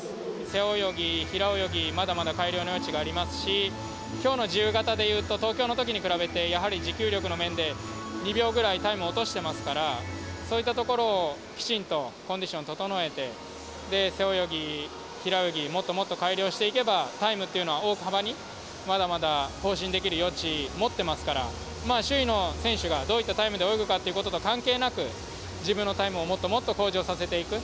背泳ぎ、平泳ぎまだまだ改良の余地がありますし今日の自由形でいうと東京のときに比べてやはり持久力の面で２秒ぐらいタイムを落としていますからそういったところをきちんとコンディションを整えて背泳ぎ、平泳ぎもっともっと改良していけばタイムというのは大幅にまだまだ更新できる余地を持っていますから周囲の選手がどういったタイムで泳ぐかということと関係なく自分のタイムをもっともっと向上させていく。